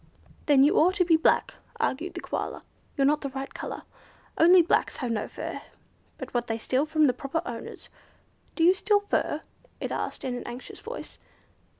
"Then you ought to be black," argued the Koala. "You're not the right colour. Only blacks have no fur, but what they steal from the proper owners. Do you steal fur?" it asked in an anxious voice.